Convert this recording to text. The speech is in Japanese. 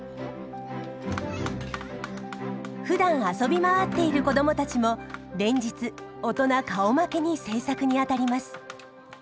ふだん遊び回っている子どもたちも連日大人顔負けに制作にあたります。